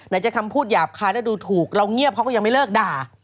จะคำพูดหยาบคายแล้วดูถูกเราเงียบเขาก็ยังไม่เลิกด่า